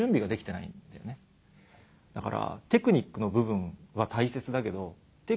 だから。